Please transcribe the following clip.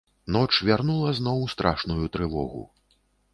Ноч вярнула зноў страшную трывогу.